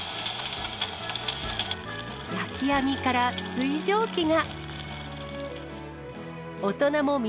焼き網から水蒸気が。